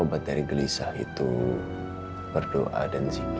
obat dari gelisah itu berdoa dan zikir